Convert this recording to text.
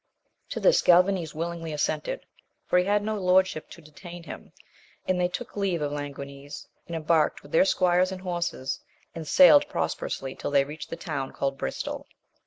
To this Galvanes willingly assented, for he had no lordship to detain him, and they took leave of Languines, and em barked with their squires and horses, and sailed pros perously till they reached the town called Bristol.